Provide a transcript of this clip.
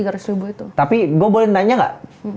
tiga ratus ribu itu tapi gue boleh nanya nggak